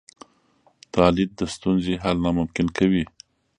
دا لید د ستونزې حل ناممکن کوي.